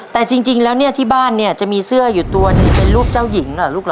แต่จริงแล้วเนี่ยที่บ้านเนี่ยจะมีเสื้ออยู่ตัวหนึ่งเป็นรูปเจ้าหญิงเหรอลูกเหรอ